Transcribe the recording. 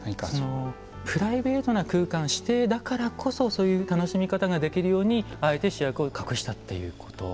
プライベートな空間私邸だからこそそういう楽しみ方ができるようにあえて主役を隠したということ。